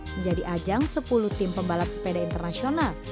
menjadi ajang sepuluh tim pembalap sepeda internasional